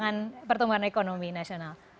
topangan pertumbuhan ekonomi nasional